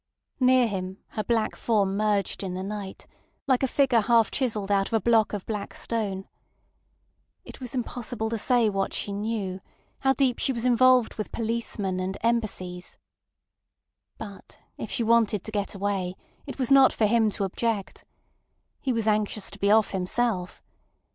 Near him, her black form merged in the night, like a figure half chiselled out of a block of black stone. It was impossible to say what she knew, how deep she was involved with policemen and Embassies. But if she wanted to get away, it was not for him to object. He was anxious to be off himself.